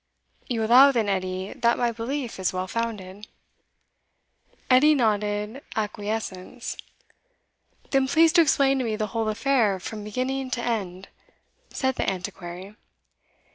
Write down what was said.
"You allow, then, Edie, that my belief is well founded?" Edie nodded acquiescence. "Then please to explain to me the whole affair from beginning to end," said the Antiquary.